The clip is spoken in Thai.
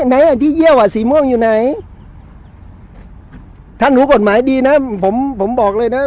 ไหนอ่ะที่เยี่ยวอ่ะสีม่วงอยู่ไหนท่านรู้กฎหมายดีนะผมผมบอกเลยนะ